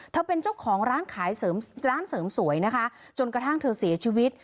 เธอเป็นเจ้าของร้านเสริมสวยจนกระทั่งเสียชีวิต